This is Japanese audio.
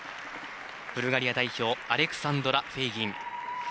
ブルガリア代表アレクサンドラ・フェイギン。